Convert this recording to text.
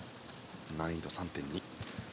難易度３．２。